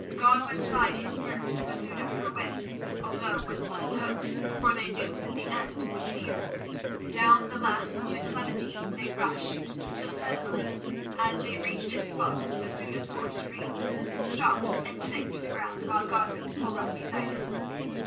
Godwin plied his spurs and Masouda her whip, although with little hope, for they knew that the end was near. Down the last declivity they rushed, till suddenly, as they reached its foot, Masouda's horse reeled, stopped, and sank to the ground, while Godwin's pulled up beside it.